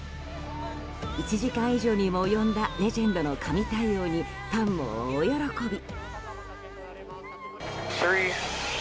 １時間以上にも及んだレジェンドの神対応にファンも大喜び。